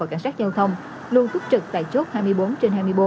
cảnh sát giao thông luôn túc trực tại chốt hai mươi bốn trên hai mươi bốn